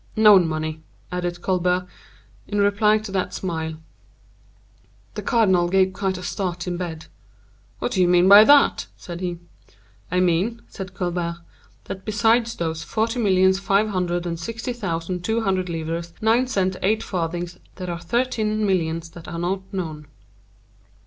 "Known money," added Colbert, in reply to that smile. The cardinal gave quite a start in bed. "What do you mean by that?" said he. "I mean," said Colbert, "that besides those forty millions, five hundred and sixty thousand, two hundred livres, nine cents, eight farthings, there are thirteen millions that are not known."